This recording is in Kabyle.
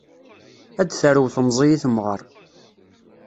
A d-tarew temẓi i temɣer.